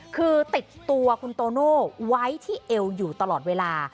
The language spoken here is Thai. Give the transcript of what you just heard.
คือติดตัวคุณโตโน่ไว้ที่เอวอยู่ตลอดเวลา